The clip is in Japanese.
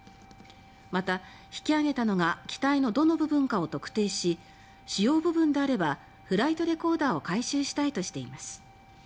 また引き揚げたのが機体のどの部分かを特定し主要部分であればフライトレコーダーを回収したいとしています。